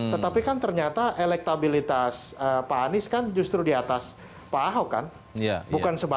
tetapi kan ternyata elektabilitas pak anies kan justru di atas pak ahok kan